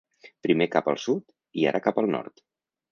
Primer cap al sud i ara cap al nord.